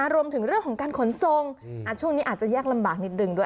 รวมถึงเรื่องของการขนส่งช่วงนี้อาจจะยากลำบากนิดหนึ่งด้วย